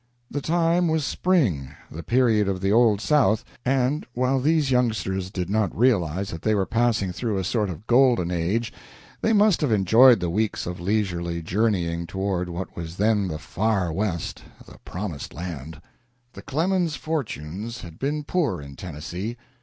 The time was spring, the period of the Old South, and, while these youngsters did not realize that they were passing through a sort of Golden Age, they must have enjoyed the weeks of leisurely journeying toward what was then the Far West the Promised Land. The Clemens fortunes had been poor in Tennessee.